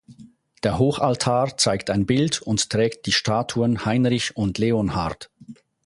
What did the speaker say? Der Hochaltar zeigt ein Bild und trägt die Statuen Heinrich und Leonhard.